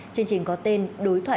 chương trình có tên đối thoại